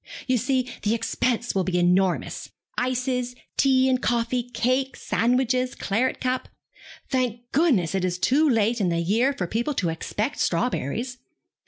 You see the expense will be enormous! Ices, tea and coffee, cakes, sandwiches, claret cup. Thank goodness it's too late in the year for people to expect strawberries.